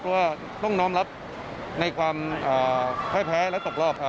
เพราะว่าต้องน้อมรับในความพ่ายแพ้และตกรอบ